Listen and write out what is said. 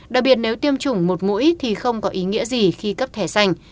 đặc biệt nếu tiêm chủng một mũi thì không có ý nghĩa gì khi cấp thẻ xanh